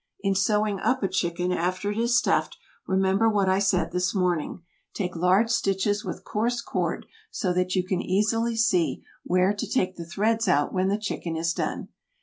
In sewing up a chicken after it is stuffed, remember what I said this morning; take large stitches with coarse cord so that you can easily see where to take the threads out when the chicken is done.